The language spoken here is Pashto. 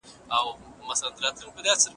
ما پرون د موبایل یو پښتو اپلیکیشن فلش کړی.